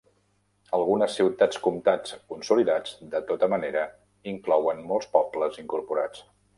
Algunes ciutats-comtats consolidats, de tota manera, inclouen molts pobles incorporats.